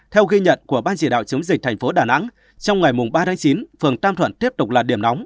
theo ghi nhận của ban chỉ đạo chống dịch thành phố đà nẵng trong ngày ba tháng chín phường tam thuận tiếp tục là điểm nóng